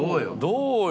どうよ？